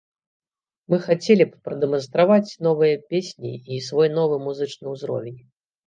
Мы хацелі б прадэманстраваць новыя песні і свой новы музычны ўзровень.